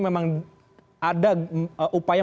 memang ada upaya